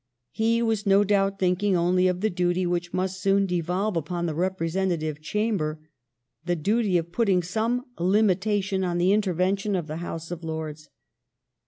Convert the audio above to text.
He was no doubt think ing only of the duty which must soon devolve upon the Representative Chamber — the duty of putting some limitation on the intervention of the House of Lords.